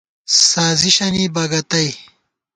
سازِشَنی بکَتَئ